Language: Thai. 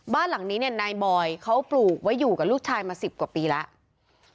บ้านหลังนี้เนี่ยนายบอยเขาปลูกไว้อยู่กับลูกชายมา๑๐กว่าปีแล้ว